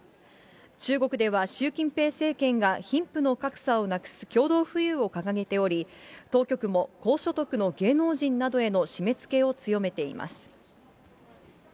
中国では習近平政権が貧富の格差をなくす共同富裕を掲げており、当局も高所得の芸能人などへの締めつけを強めています。